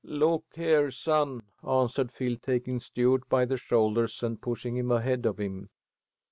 "Look here, son," answered Phil, taking Stuart by the shoulders and pushing him ahead of him.